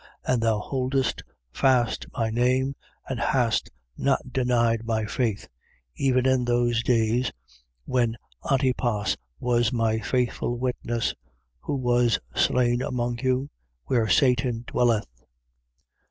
And thou holdest fast my name and hast not denied my faith. Even in those days when Antipas was my faithful witness, who was slain among you, where Satan dwelleth.